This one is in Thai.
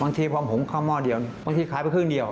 บางทีพอผมเข้าหม้อเดียวบางทีขายไปครึ่งเดียว